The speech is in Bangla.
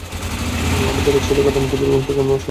আমাদের একসাথে কাটানো প্রতিটি মূহুর্তকে আমি সংরক্ষণ করতে চাই।